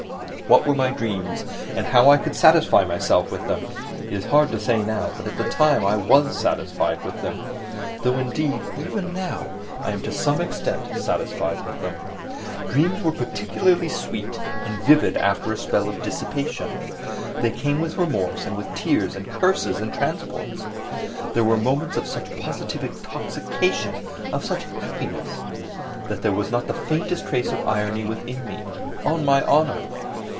What were my dreams and how I could satisfy myself with them—it is hard to say now, but at the time I was satisfied with them. Though, indeed, even now, I am to some extent satisfied with them. Dreams were particularly sweet and vivid after a spell of dissipation; they came with remorse and with tears, with curses and transports. There were moments of such positive intoxication, of such happiness, that there was not the faintest trace of irony within me, on my honour.